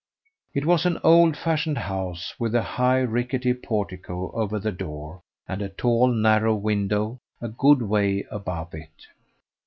It was an old fashioned house, with a high, rickety portico over the door, and a tall, narrow window a good way above it.